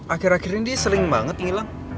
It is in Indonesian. akhir akhir ini dia sering banget ngilang